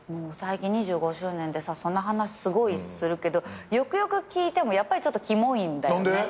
最近２５周年でその話すごいするけどよくよく聞いてもやっぱりちょっとキモいんだよね。